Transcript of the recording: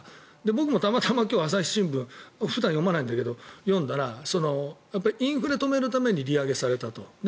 僕も今日たまたま朝日新聞普段読まないんだけど読んだらインフレを止めるために利上げされたと。